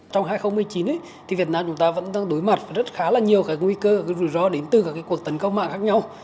trong hai nghìn một mươi chín việt nam vẫn đang đối mặt với rất khá nhiều nguy cơ và rủi ro đến từ các cuộc tấn công mạng khác nhau